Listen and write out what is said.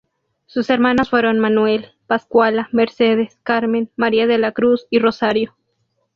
Sus hermanos fueron Manuel, Pascuala, Mercedes, Carmen, María de la Cruz, y Rosario.